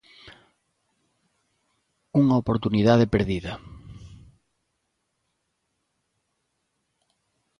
Unha oportunidade perdida.